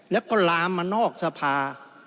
แล้วก็ลามมานอกสภา